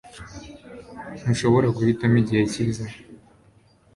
Ntushobora guhitamo igihe cyiza.